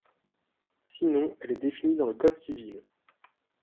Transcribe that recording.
Sinon, elle est définie dans le Code civil.